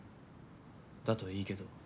だといいけど。